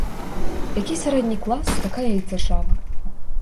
Які сярэдні клас, такая і дзяржава.